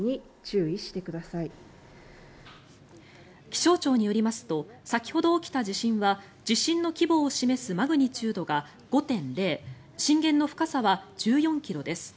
気象庁によりますと先ほど起きた地震は地震の規模を示すマグニチュードが５．０震源の深さは１４ｋｍです。